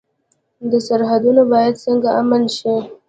سرحدونه باید څنګه امن شي؟